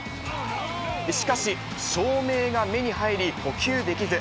しかし、照明が目に入り、捕球できず。